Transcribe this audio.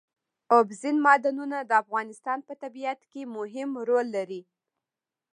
اوبزین معدنونه د افغانستان په طبیعت کې مهم رول لري.